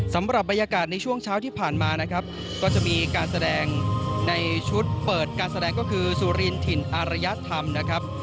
สำหรับบรรยากาศในช่วงเช้าที่ผ่านมานะครับก็จะมีการแสดงในชุดเปิดการแสดงก็คือสุรินถิ่นอารยธรรมนะครับ